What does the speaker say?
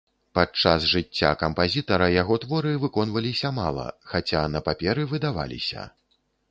Падчас жыцця кампазітара яго творы выконвалася мала, хаця на паперы выдаваліся.